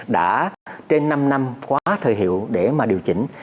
đã trên năm năm quá thời hiệu để mà điều chỉnh